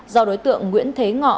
do đối tượng nguyễn thế ngọ